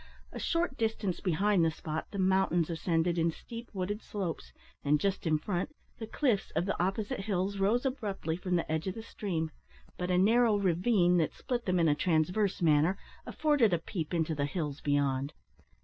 A short distance behind the spot the mountains ascended in steep wooded slopes, and, just in front, the cliffs of the opposite hills rose abruptly from the edge of the stream, but a narrow ravine, that split them in a transverse manner, afforded a peep into the hills beyond.